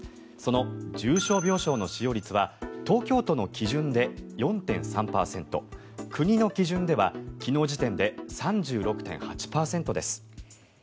その重症病床の使用率は東京都の基準で４．３％国の基準では昨日時点で３６．８％です。